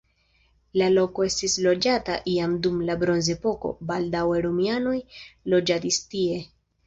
La loko estis loĝata jam dum la bronzepoko, baldaŭe romianoj loĝadis tie.